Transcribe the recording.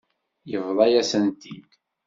Yebḍa-yasen-tent-id.